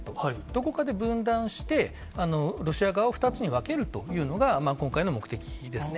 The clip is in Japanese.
どこかで分断して、ロシア側を２つに分けるというのが、今回の目的ですね。